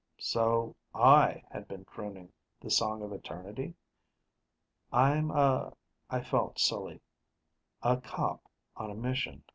So I had been crooning the Song of Eternity? "I'm a" I felt silly "a cop on a mission.